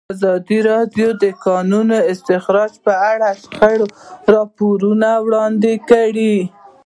ازادي راډیو د د کانونو استخراج په اړه د شخړو راپورونه وړاندې کړي.